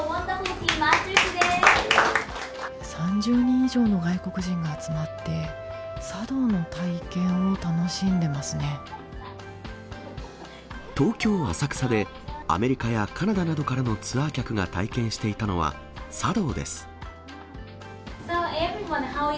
３０人以上の外国人が集まっ東京・浅草で、アメリカやカナダなどからのツアー客が体験していたのは、茶道です。